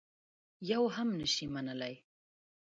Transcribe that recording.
یوه هم نه شي منلای.